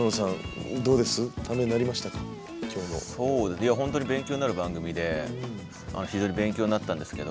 いや本当に勉強になる番組で非常に勉強になったんですけど